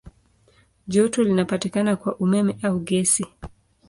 Joto linapatikana kwa umeme au gesi.